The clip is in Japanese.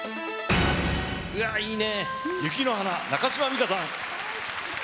うわー、いいね、雪の華、中島美嘉さん。